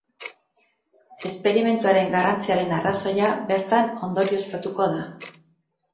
Esperimentuaren garrantziaren arrazoia bertan ondorioztatutako da.